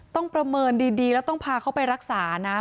ประเมินดีแล้วต้องพาเขาไปรักษานะ